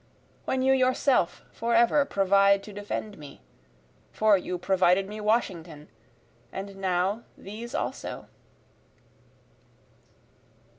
When you yourself forever provide to defend me? For you provided me Washington and now these also.